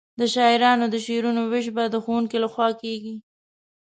د شاعرانو د شعرونو وېش به د ښوونکي له خوا کیږي.